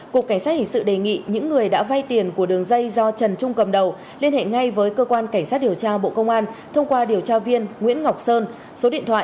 cục cảnh sát hình sự đề nghị những người đã vay tiền của đường dây do trần trung cầm đầu liên hệ ngay với cơ quan cảnh sát điều tra bộ công an thông qua điều tra viên nguyễn ngọc sơn số điện thoại chín trăm ba mươi tám hai trăm sáu mươi tám bảy